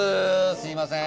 すいません。